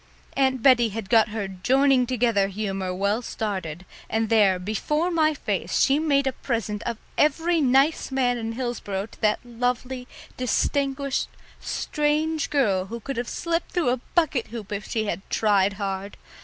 Aunt Bettie had got her joining together humour well started, and there, before my face, she made a present of every nice man in Hillsboro to that lovely, distinguished, strange girl who could have slipped through a bucket hoop if she had tried hard.